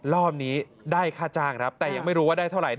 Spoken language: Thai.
รอบนี้ได้ค่าจ้างครับแต่ยังไม่รู้ว่าได้เท่าไหร่